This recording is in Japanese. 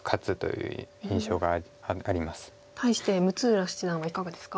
対して六浦七段はいかがですか？